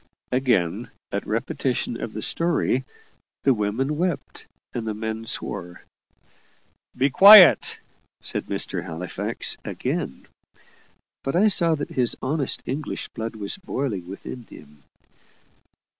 Again, at repetition of the story, the women wept and the men swore. "Be quiet," said Mr. Halifax again. But I saw that his honest English blood was boiling within him.